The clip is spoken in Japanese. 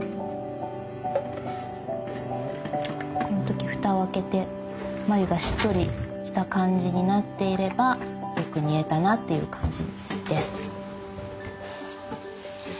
この時蓋を開けて繭がしっとりした感じになっていればよく煮えたなっていう感じです。